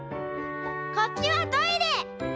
こっちはトイレ！」。